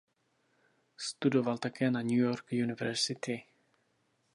Studoval také na New York University.